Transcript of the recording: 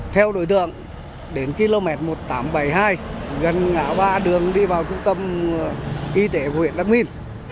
theo đối tượng đến km một nghìn tám trăm bảy mươi hai gần ngã ba đường đi vào trung tâm y tế huyện đắc minh